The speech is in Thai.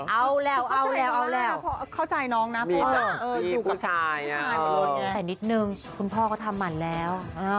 เอาล่ะเอาแล้ว